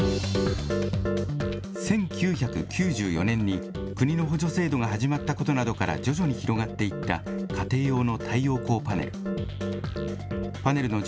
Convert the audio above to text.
１９９４年に、国の補助制度が始まったことなどから、徐々に広がっていった家庭用の太陽光パネル。